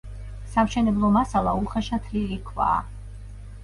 სამშენებლო მასალა უხეშად თლილი ქვაა.